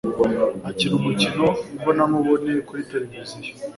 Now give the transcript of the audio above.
akina umukino imbonankubone kuri tereviziyo